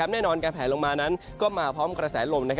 แน่นอนการแผลลงมานั้นก็มาพร้อมกระแสลม